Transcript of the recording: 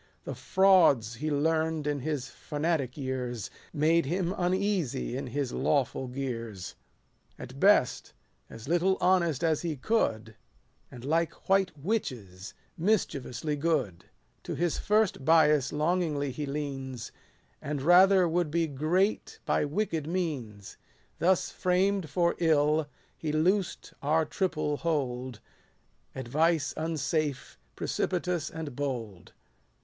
The frauds he learn'd in his fanatic years Made him uneasy in his lawful gears ; 60 At best, as little honest as he could, And, like white witches, 1 mischievously good. To his first bias longingly he leans ; And rather would be great by wicked means. Thus framed for ill, he loosed our triple hold ; 2 Advice unsafe, precipitous, and bold.